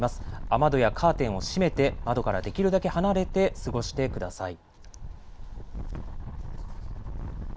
雨戸やカーテンを閉めて窓からできるだけ離れて過ごしてください。